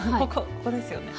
ここここですよね。